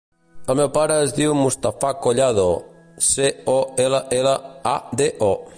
El meu pare es diu Mustafa Collado: ce, o, ela, ela, a, de, o.